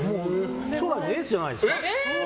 将来のエースじゃないですか。